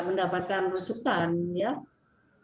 kalau tidak kita jelaskan ke pasien ini semua rumah sakit pun kita kirim